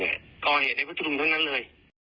เพราะเหตุในพฤตูรูปเท่านั้นเลย